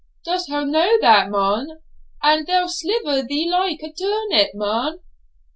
dost ho know that, mon? ad, they'll sliver thee loike a turnip, mon.'